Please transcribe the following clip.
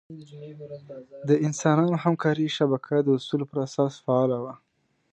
د انسانانو همکارۍ شبکه د اصولو پر اساس فعاله وه.